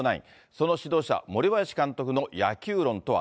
その指導者、森林監督の野球論とは。